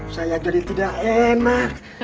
saya jadi tidak enak